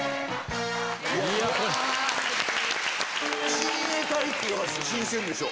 「親衛隊」って新鮮でしょ。